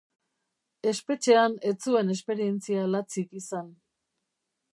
Espetxean ez zuen esperientzia latzik izan.